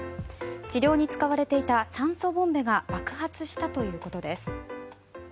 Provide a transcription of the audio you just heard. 治療に使われていた酸素ボンベが爆発したということです。